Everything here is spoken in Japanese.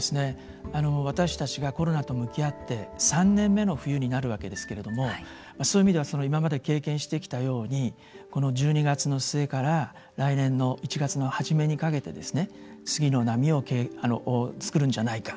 私たちがコロナと向き合って３年目の冬になるんですがそういう意味では今まで経験してきたようにこの１２月の末から来年の１月初めにかけて次の波を作るんじゃないか。